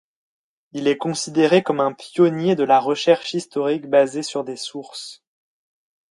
Il est considéré comme un pionnier de la recherche historique basée sur des sources.